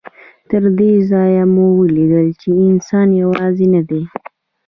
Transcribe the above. تر دې ځایه مو ولیدل چې انسان یوازې نه دی.